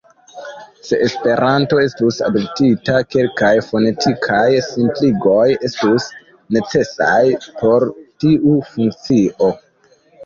Se Esperanto estus adoptita, kelkaj fonetikaj simpligoj estus necesaj por tiu funkcio.